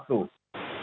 itu sudah waktu